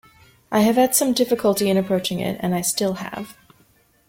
I have had some difficulty in approaching it, and I still have.